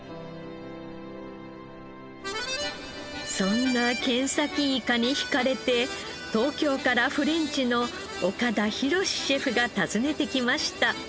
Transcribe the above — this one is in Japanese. そんなケンサキイカに引かれて東京からフレンチの岡田宏シェフが訪ねてきました。